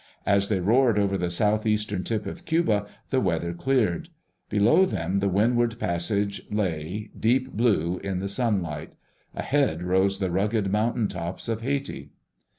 As they roared over the southeastern tip of Cuba the weather cleared. Below them the Windward Passage lay, deep blue in the sunlight. Ahead rose the rugged mountain tops of Haiti.